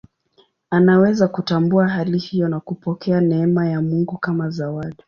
Anaweza kutambua hali hiyo na kupokea neema ya Mungu kama zawadi.